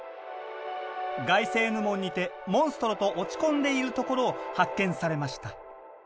ガイセーヌ門にてモンストロと落ち込んでいるところを発見されました。